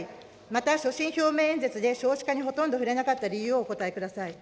また、所信表明演説で少子化にほとんど触れなかった理由をお答えください。